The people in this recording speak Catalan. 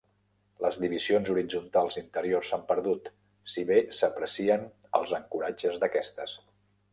Les divisions horitzontals interiors s'han perdut, si bé s'aprecien els ancoratges d'aquestes.